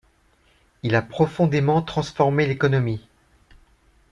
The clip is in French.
Il a profondément transformé l'économie.